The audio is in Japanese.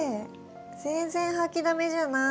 全然掃きだめじゃない。